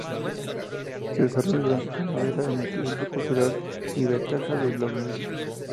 Se desarrolla durante primavera en el Centro Cultural Ibercaja de Logroño.